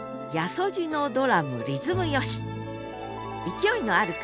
勢いのある句。